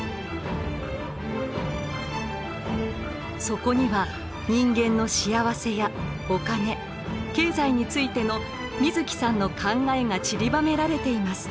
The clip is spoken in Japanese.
そこには人間の幸せやお金経済についての水木さんの考えがちりばめられています。